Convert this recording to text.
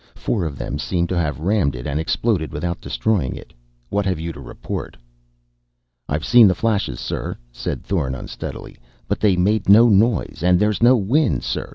Four of them seem to have rammed it and exploded without destroying it. What have you to report?" "I've seen the flashes, sir," said Thorn unsteadily, "but they made no noise. And there's no wind, sir.